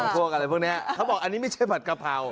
พวกอะไรพวกนี้เขาบอกอันนี้ไม่ใช่ผัดกะเพรา